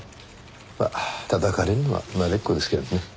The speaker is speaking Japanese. まあ叩かれるのは慣れっこですけどね。